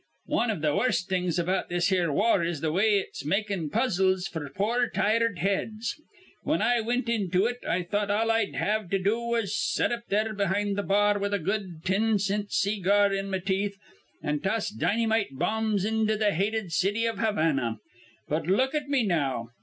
Wan iv the worst things about this here war is th' way it's makin' puzzles f'r our poor, tired heads. Whin I wint into it, I thought all I'd have to do was to set up here behind th' bar with a good tin cint see gar in me teeth, an' toss dinnymite bombs into th' hated city iv Havana. But look at me now.